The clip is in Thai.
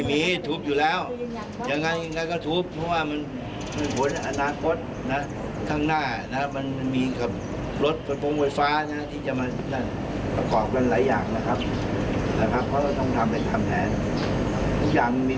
เมื่อคืนนี้เอาให้เหมือนว่าตามจริงเขาจะต้องปิดอย่างนี้